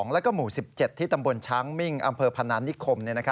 แล้วก็หมู่๑๗ที่ตำบลช้างมิ่งอำเภอพนานิคม